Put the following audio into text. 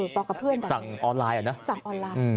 บอกกับเพื่อนสั่งออนไลน์อ่ะนะสั่งออนไลน์